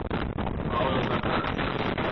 Paolo Vernazza